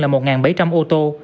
là một bảy trăm linh ô tô